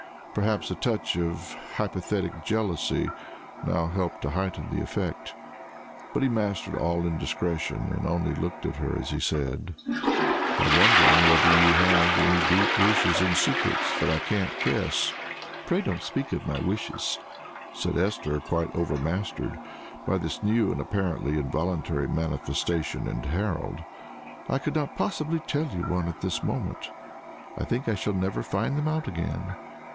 Perhaps a touch of hypothetic jealousy now helped to heighten the effect. But he mastered all indiscretion, and only looked at her as he said "I am wondering whether you have any deep wishes and secrets that I can't guess." "Pray don't speak of my wishes," said Esther, quite overmastered by this new and apparently involuntary manifestation in Harold; "I could not possibly tell you one at this moment I think I shall never find them out again.